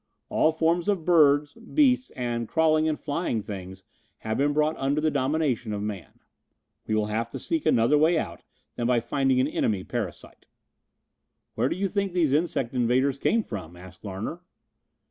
All forms of birds, beasts and crawling and flying things have been brought under the dominion of man. We will have to seek another way out than by finding an enemy parasite." "Where do you think these insect invaders came from?" asked Larner.